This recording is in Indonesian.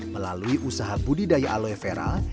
melalui usaha budidaya aloe vera